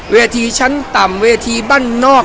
เวทีชั้นต่ำเวทีบ้านนอก